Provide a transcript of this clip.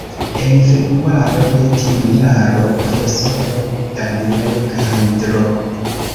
En februaro de tiu jaro, Profesoro Daniel kaj Dro.